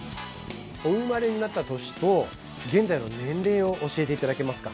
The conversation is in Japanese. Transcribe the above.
お生まれになった年と現在の年齢を教えていただけますか？